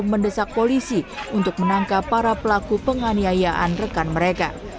mendesak polisi untuk menangkap para pelaku penganiayaan rekan mereka